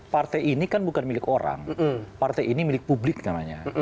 partai ini kan bukan milik orang partai ini milik publik namanya